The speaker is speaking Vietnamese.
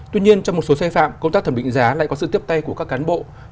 tuy nhiên trong một số xe phạm công tác thẩm định giá lại có sự tiếp tay của các cán bộ